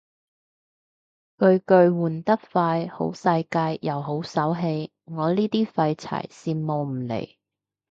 巨巨換得快好世界又好手氣，我呢啲廢柴羨慕唔嚟